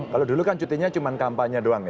kalau dulu kan cutinya cuma kampanye doang ya